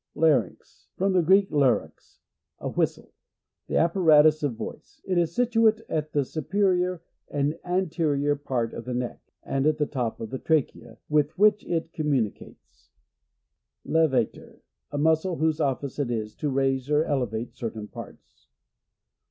Larynx. — From the Greek, Inrugx, a whistle. The apparatus of voice. It is situate at the superior and an terior part of the neck; and at the top of the trachea, with which it communicates. Levator. — A muscle whose office it is to raise or elevate certain parts.